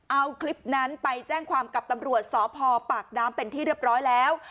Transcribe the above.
เอาคลิปนั้นไปแจ้งความกับตำรวจสพปากน้ำเป็นที่เรียบร้อยแล้ว